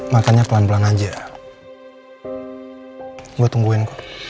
makannya pelan pelan aja gue tungguin kok